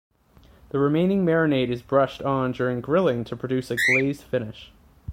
The remaining marinade is brushed on during grilling to produce a glazed finish.